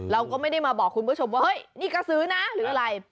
เราก็ไม่ได้มาบอกคุณผู้ชมว่าเฮ้ยนี่กระซื้อนะหรืออะไร